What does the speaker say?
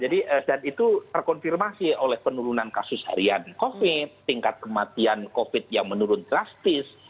dan itu terkonfirmasi oleh penurunan kasus harian covid tingkat kematian covid yang menurun drastis